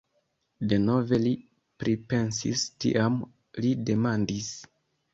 Denove li pripensis, tiam li demandis: